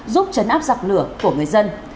giúp chấn áp giặc lửa của người dân